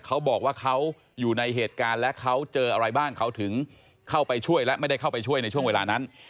เขาบอกว่าเขาอยู่ในเหตุการณ์และเขาเจออะไรบ้างเขาถึงเข้าไปช่วยและไม่ได้เข้าไปช่วยในช่วงเวลานั้น